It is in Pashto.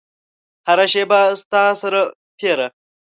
هره شیبه ستا سره تیره